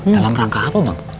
dalam rangka apa bang